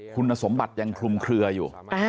คุณสมบัติยังคลุมเคลืออยู่